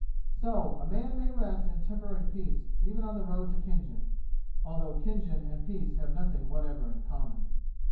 So a man may rest in temporary peace even on the road to Khinjan, although Khinjan and peace have nothing whatever in common.